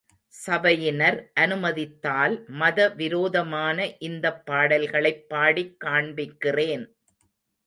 சபையினர் அனுமதித்தால் மத விரோதமான இந்தப் பாடல்களைப் பாடிக் காண்பிக்கிறேன்.